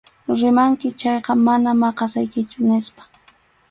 Rimanki chayqa mana maqasaykichu, nispa.